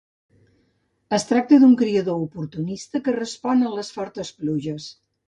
Es tracta d'un criador oportunista que respon a les fortes pluges.